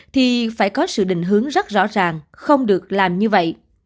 thì phải có sự định hướng rất rõ ràng không được làm như vậy